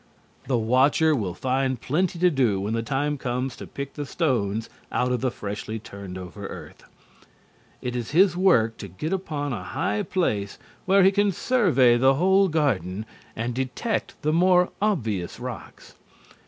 The watcher will find plenty to do when the time comes to pick the stones out of the freshly turned over earth. It is his work to get upon a high place where he can survey the whole garden and detect the more obvious rocks.